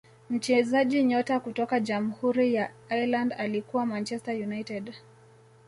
mchezaji nyota kutoka jamhuri ya ireland alikuwa manchester united